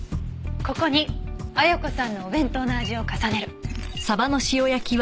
ここに綾子さんのお弁当の味を重ねる。